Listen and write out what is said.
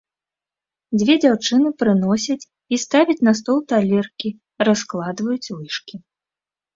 Дзве дзяўчыны прыносяць і ставяць на стол талеркі, раскладваюць лыжкі.